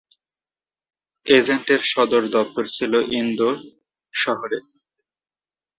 এজেন্টের সদর দফতর ছিল ইন্দোর শহরে।